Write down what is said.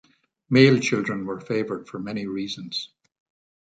Male children were favored for many reasons.